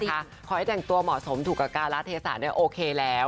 ความที่แสนจังตัวหมอสมถูกกับการรัชเทศาโอเคแล้ว